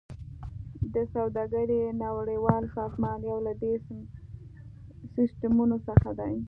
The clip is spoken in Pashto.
د سوداګرۍ نړیوال سازمان یو له دې سیستمونو څخه دی